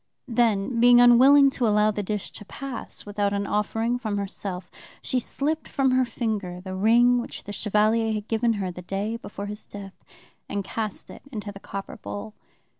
Then, being unwilling to allow the dish to pass without an offering from herself, she slipped from her finger the ring which the Chevalier had given her the day before his death, and cast it into the copper bowl.